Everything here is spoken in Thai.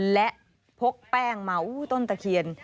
และพกแป้งมาต้นตะเคียน